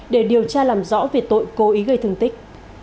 để điều tra làm rõ về tội cố ý gây thương tích